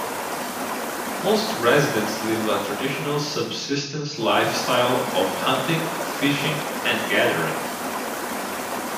Most residents live a traditional subsistence lifestyle of hunting, fishing, and gathering.